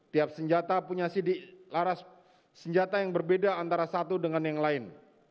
tiap senjata punya sidik laras senjata yang berbeda antara satu dengan yang lain